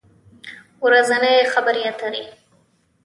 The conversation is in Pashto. ورځنۍ خبری اتری